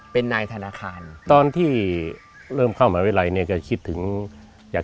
เป็นนายธนาคารตอนที่เริ่มเข้ามาเวลานี้ก็คิดถึงอยาก